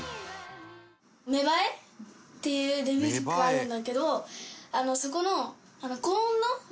『芽ばえ』っていうデビュー曲があるんだけどそこの。